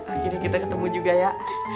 akhirnya kita ketemu juga ya